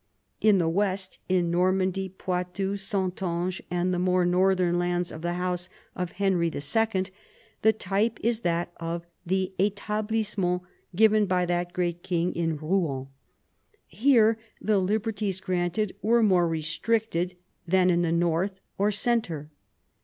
In the west, in Normandy, Poitou, Saintonge, and the more northern lands of the house of Henry II. the type is that of the etablissements given by that great king in Eouen. Here the liberties granted were more restricted than in north or centre.